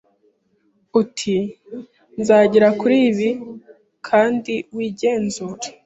uti nzagera kuri ibi kandi wigenzure.’’